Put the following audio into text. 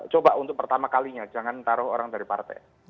coba untuk pertama kalinya jangan taruh orang dari partai